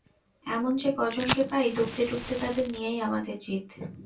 এমন যে-কজনকে পাই ডুবতে ডুবতে তাদের নিয়েই আমাদের জিত।